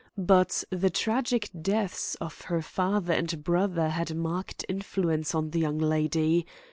But the tragic deaths of her father and brother had a marked influence on the young lady.